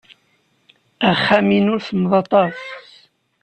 Axxam-inu semmeḍ aṭas.